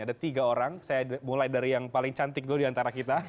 ada tiga orang saya mulai dari yang paling cantik dulu diantara kita